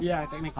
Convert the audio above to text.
iya teknik khusus